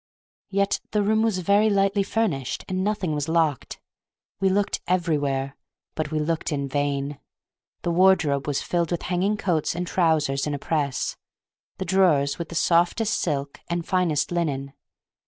Yet the room was very lightly furnished; and nothing was locked. We looked everywhere, but we looked in vain. The wardrobe was filled with hanging coats and trousers in a press, the drawers with the softest silk and finest linen.